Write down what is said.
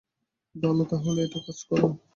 ভাল তাহলে একটা কাজ কর।